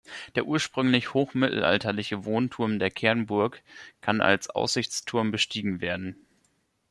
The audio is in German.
Der ursprünglich hochmittelalterliche Wohnturm der Kernburg kann als Aussichtsturm bestiegen werden.